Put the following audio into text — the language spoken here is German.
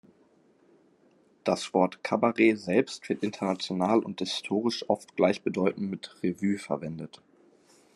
Das Wort "Cabaret" selbst wird international und historisch oft gleichbedeutend mit Revue verwendet.